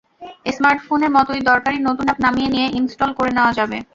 স্মার্টফোনের মতোই দরকারি নতুন অ্যাপ নামিয়ে নিয়ে ইনস্টল করে নেওয়া যাবে।